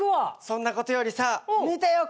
そんなことよりさ見てよ